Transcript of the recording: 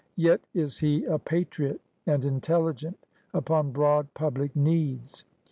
Yet is he a patriot and intelligent upon broad public needs.